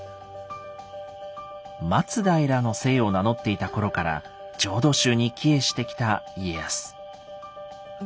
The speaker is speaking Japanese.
松平の姓を名乗っていた頃から浄土宗に帰依してきた家康。